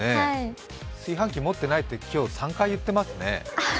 炊飯器持ってないって今日、３回言ってますね。